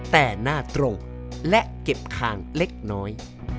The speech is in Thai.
แต่หน้าตรงและเก็บคางเล็กน้อย